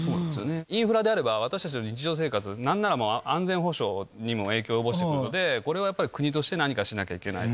インフラであれば、私たちの日常生活、なんならもう、安全保障にも影響を及ぼしてくるのでこれはやっぱり、国として何かしなきゃいけない。